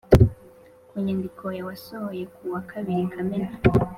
mu nyandiko wasohoye ku wa kabiri kamena